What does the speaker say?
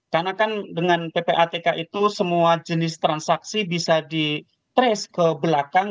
karena kan dengan ppatk itu semua jenis transaksi bisa di trace ke belakang